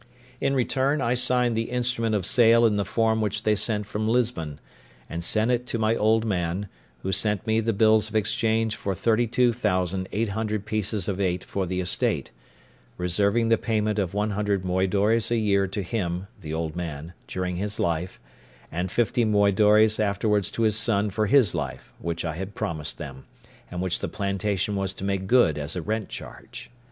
In return, I signed the instrument of sale in the form which they sent from Lisbon, and sent it to my old man, who sent me the bills of exchange for thirty two thousand eight hundred pieces of eight for the estate, reserving the payment of one hundred moidores a year to him (the old man) during his life, and fifty moidores afterwards to his son for his life, which I had promised them, and which the plantation was to make good as a rent charge.